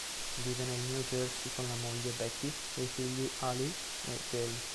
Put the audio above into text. Vive nel New Jersey con la moglie, Becky, e i figli, Ali e Jay.